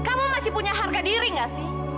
kamu masih punya harga diri gak sih